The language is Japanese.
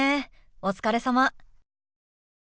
お疲れさま。